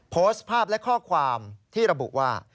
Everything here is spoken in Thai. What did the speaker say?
โพสต์ภาพและข้อความที่เรียบรับบุว่า